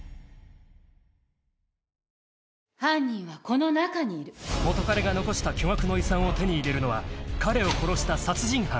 「犯人はこの中にいる」［元カレが残した巨額の遺産を手に入れるのは彼を殺した殺人犯］